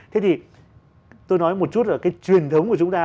thế thì tôi nói một chút là cái truyền thống của chúng ta